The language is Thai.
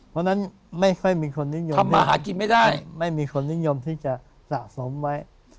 เพราะฉะนั้นไม่ค่อยมีคนนิยมที่จะสะสมไว้